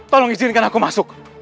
tolong izinkan aku masuk